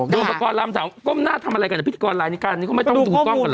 โดมประกอลลำถามก้มหน้าทำอะไรกันแต่พิธีกรรายนี้กันนี่ก็ไม่ต้องดูกล้อมกันหรอ